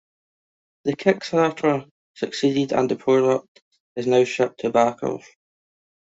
The Kickstarter succeeded and the product has now shipped to backers.